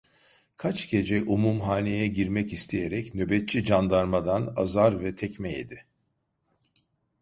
Kaç gece umumhaneye girmek isteyerek nöbetçi candarmadan azar ve tekme yedi.